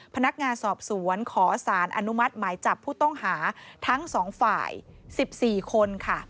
พนักงานสอบสวนขอสารอนุมัติหมายจับผู้ต้องหาทั้งสองฝ่าย๑๔คนค่ะ